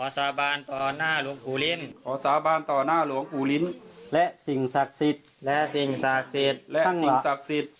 และสิ่งศักดิ์สิทธิ์